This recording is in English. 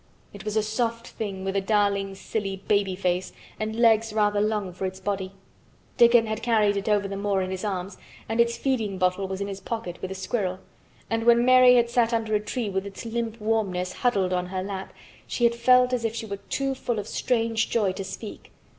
It was a soft thing with a darling silly baby face and legs rather long for its body. Dickon had carried it over the moor in his arms and its feeding bottle was in his pocket with a squirrel, and when Mary had sat under a tree with its limp warmness huddled on her lap she had felt as if she were too full of strange joy to speak.